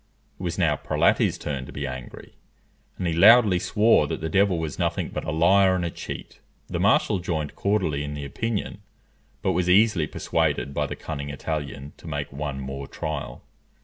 It was now Prelati's turn to be angry; and he loudly swore that the devil was nothing but a liar and a cheat. The marshal joined cordially in the opinion, but was easily persuaded by the cunning Italian to make one more trial.